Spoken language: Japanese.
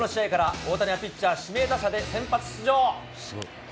大谷はピッチャー指名打者で先発出場。